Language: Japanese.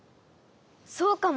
そうかも。